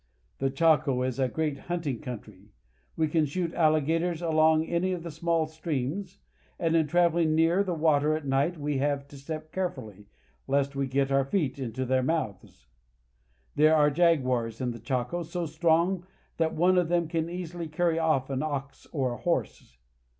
The Chaco is a great hunting country. We can shoot alligators along any of the small streams, and in traveling "There are jaguars in the Chaco." near the water at night we have to step carefully, lest we get our feet into their mouths. There are jaguars in the Chaco so strong that one of them can easily carry off an ox or a horse.